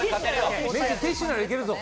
ティッシュならいけるぞ。